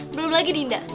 belum lagi dinda